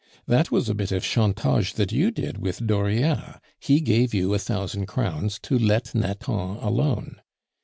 That was a bit of 'chantage' that you did with Dauriat; he gave you a thousand crowns to let Nathan alone.